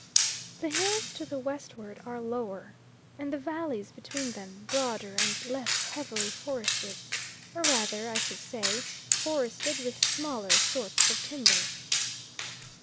The hills to the westward are lower, and the valleys between them broader and less heavily forested, or rather I should say forested with smaller sorts of timber.